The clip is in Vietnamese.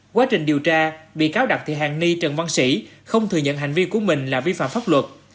quá trình điều tra bị cáo đặng thị hàng ni trần văn sĩ không thừa nhận hành vi của mình là vi phạm pháp luật